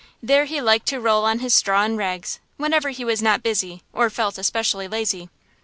There he liked to roll on his straw and rags, whenever he was not busy, or felt especially lazy.